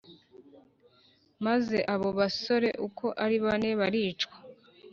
Maze abo basore uko ari bane baricwa